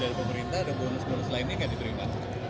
dari pemerintah ada bonus bonus lainnya yang diberikan